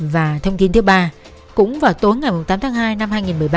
và thông tin thứ ba cũng vào tối ngày tám tháng hai năm hai nghìn một mươi ba